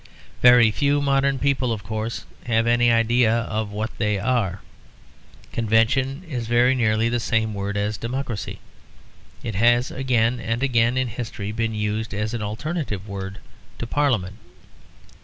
Very few modern people of course have any idea of what they are. "Convention" is very nearly the same word as "democracy." It has again and again in history been used as an alternative word to Parliament.